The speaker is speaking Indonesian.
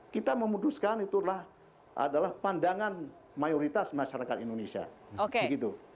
kita memutuskan itulah adalah pandangan mayoritas masyarakat indonesia